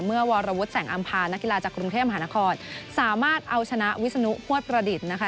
วรวุฒิแสงอำพานักกีฬาจากกรุงเทพมหานครสามารถเอาชนะวิศนุพวดประดิษฐ์นะคะ